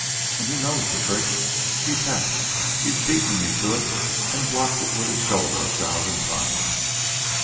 An' he knows the trick. He's hep. He's beaten me to it an' blocked it with his shoulder a thousan' times.